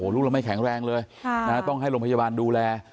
ลูกเราไม่แข็งแรงเลยต้องให้โรงพยาบาลดูแล